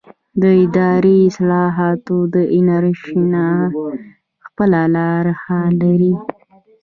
د اداري اصلاحاتو دارالانشا خپله لایحه لري.